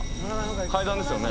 階段ですよね。